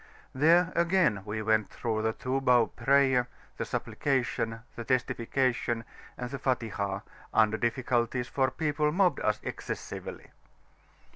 There again we went through the two bow prayer, the Supplication, the Testification, and the Fatihah, under difficulties, for people mobbed us excessively.